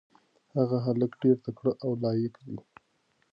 هغه هلک ډېر تکړه او لایق دی.